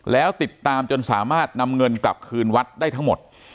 แล้วติดตามจนสามารถนำเงินกลับคืนวัดได้ทั้งหมด